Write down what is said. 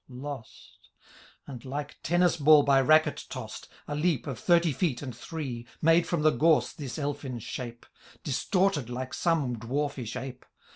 lost I" And, like tennis ball by racket toas'd, A leap, of thirty feet and three, Made from the gorse this elfin shape. Distorted like some dwarfish ape.